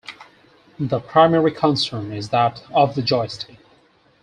The primary concern is that of the joystick.